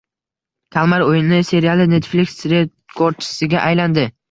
Kalmar o‘yini seriali Netflix rekordchisiga aylandi